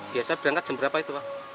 biasa berangkat jam berapa itu pak